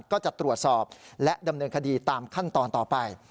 ก็จะตรวจสอบและดำเนินคดีตามขั้นตอนต่อไป